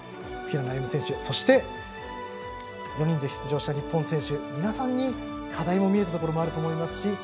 平野歩夢選手、そして４人で出場した日本選手皆さんに課題が見えたところもあると思いますし